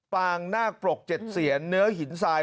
ปางหน้าปรกเจ็ดเสียเนื้อหินทราย